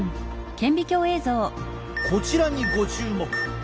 こちらにご注目！